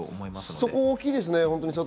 そこ大きいですね。